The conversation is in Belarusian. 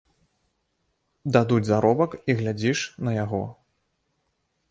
Дадуць заробак і глядзіш на яго.